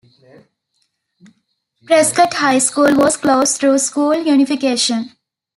Prescott High School was closed through school unification.